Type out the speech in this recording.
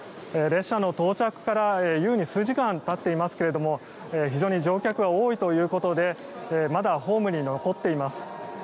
列車の到着から優に数時間たっていますが非常に乗客が多いということでまだホームに残っています。